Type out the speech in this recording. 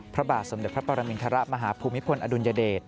พระบาทสมเด็จพระปรมินทรมาฮภูมิพลอดุลยเดช